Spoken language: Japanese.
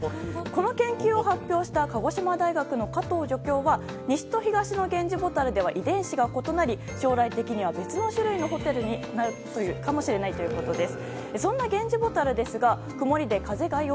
この研究を発表した鹿児島大学の加藤助教は西と東のゲンジボタルでは遺伝子が異なり将来的には別の種類のホタルになるかもしれないということです。